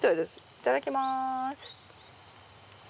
いただきます。